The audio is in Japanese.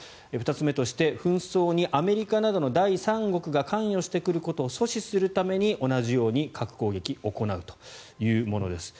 ２つ目として紛争にアメリカなどの第三国が関与してくることを阻止するために同じように核攻撃を行うというものです。